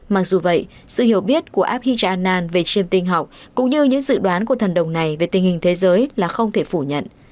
mặc dù vậy sự hiểu biết của abhijanan về chiêm tinh học cũng như những dự đoán của thần đồng này về tình hình thế giới là không thể phủ nhận